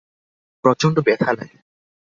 প্রচন্ড ব্যথা লাগে।